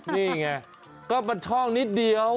นี่ไงก็มันช่องนิดเดียว